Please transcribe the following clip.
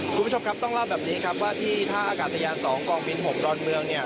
คุณผู้ชมครับต้องเล่าแบบนี้ครับว่าที่ท่าอากาศยาน๒กองบิน๖ดอนเมืองเนี่ย